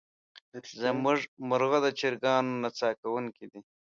زمونږ مرغه د چرګانو نڅا کوونکې دی.